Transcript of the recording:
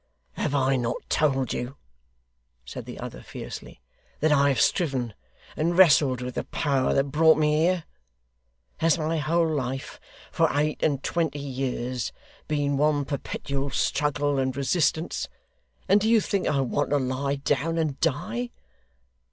'Have I not told you,' said the other fiercely, 'that I have striven and wrestled with the power that brought me here? Has my whole life, for eight and twenty years, been one perpetual struggle and resistance, and do you think I want to lie down and die?